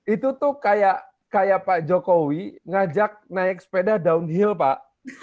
itu tuh kayak pak jokowi ngajak naik sepeda downhill pak